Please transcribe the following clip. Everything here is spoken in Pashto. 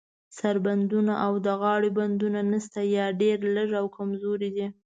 سر بندونه او د غاړو بندونه نشته، یا ډیر لږ او کمزوري دي.